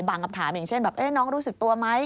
บางอัปถามอย่างเช่นน้องรู้สึกตัวไหม